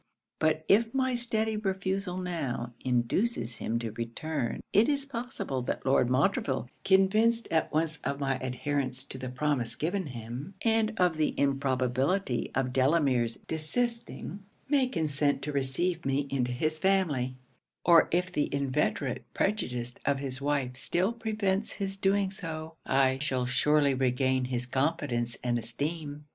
But if my steady refusal now, induces him to return, it is possible that Lord Montreville, convinced at once of my adherence to the promise given him, and of the improbability of Delamere's desisting, may consent to receive me into his family; or if the inveterate prejudice of his wife still prevents his doing so, I shall surely regain his confidence and esteem.